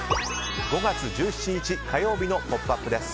５月１７日火曜日の「ポップＵＰ！」です。